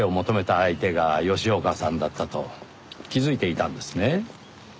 相手が吉岡さんだったと気づいていたんですね。